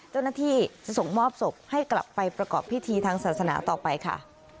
เจ้าหน้าที่จะส่งมอบศพให้กลับไปประกอบพิธีทางศาสนาต่อไปค่ะ